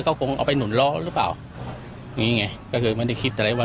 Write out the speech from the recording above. เขากงเอาไปหนุนล้อหรือเปล่านี่ไงก็คือมันจะคิดหลายวัน